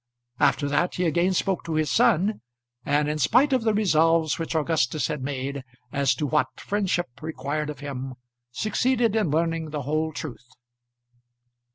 After that he again spoke to his son, and in spite of the resolves which Augustus had made as to what friendship required of him, succeeded in learning the whole truth.